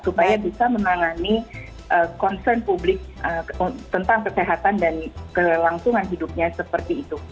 supaya bisa menangani concern publik tentang kesehatan dan kelangsungan hidupnya seperti itu